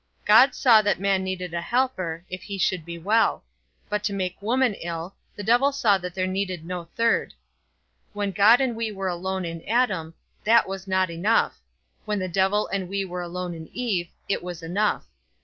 God saw that man needed a helper, if he should be well; but to make woman ill, the devil saw that there needed no third. When God and we were alone in Adam, that was not enough; when the devil and we were alone in Eve, it was enough.